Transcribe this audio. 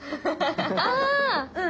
ああ！